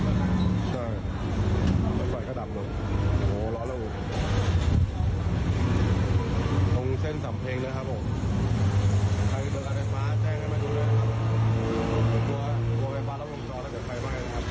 การไฟฟ้าแจ้งกันมาดูเลยครับโอ้โหโอ้โหโอ้โหไฟฟ้าเราลงต่อแล้วเกิดไฟไหม้นะครับ